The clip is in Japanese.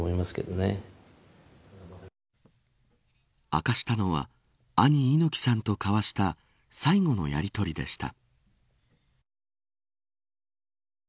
明かしたのは兄、猪木さんと交わした最後のやりとりでした。